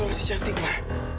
ada suara si cantik ma